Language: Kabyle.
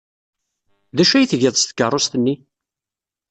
D acu ay tgiḍ s tkeṛṛust-nni?